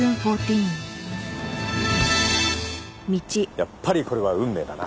やっぱりこれは運命だな。